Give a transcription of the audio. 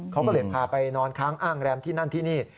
เขาก็เลยพาไปนอนค้างอ้างแรมที่นั่นที่นี่